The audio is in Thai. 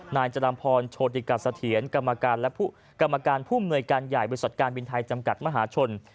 นายจรัมพรโชติกัสเถียนกรรมการผู้เหนื่อยการใหญ่วิสัตว์การบินไทยจำกัดมหาชน